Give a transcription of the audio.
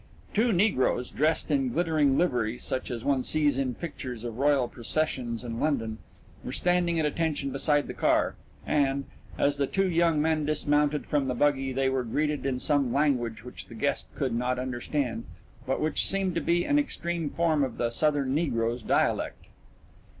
Two negroes, dressed in glittering livery such as one sees in pictures of royal processions in London, were standing at attention beside the car and, as the two young men dismounted from the buggy, they were greeted in some language which the guest could not understand, but which seemed to be an extreme form of the Southern negro's dialect.